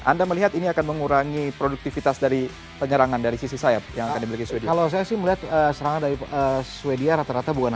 anda melihat ini akan mengurangi produktivitas dari penyerangan dari sisi sayap yang akan dimiliki sweden